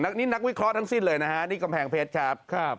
นี่นักวิเคราะห์ทั้งสิ้นเลยนะฮะนี่กำแพงเพชรครับ